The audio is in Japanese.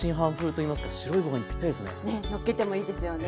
ねっのっけてもいいですよね。